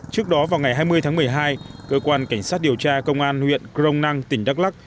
trước đó vào ngày hai mươi tháng một mươi hai cơ quan cảnh sát điều tra công an huyện crong năng tỉnh đắk lắc